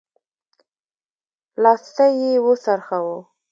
لاستی يې وڅرخوه.